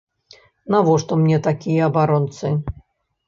Навошта мне такія абаронцы?!